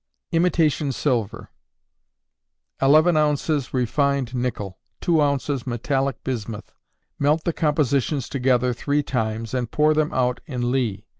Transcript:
Imitation Silver. 11 oz. refined nickel; 2 oz. metalic bismuth. Melt the compositions together three times, and pour them out in ley.